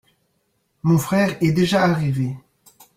mon frère est déjà arrivé.